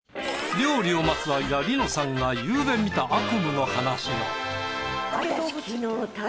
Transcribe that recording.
料理を待つ間梨乃さんがゆうべ見た悪夢の話を。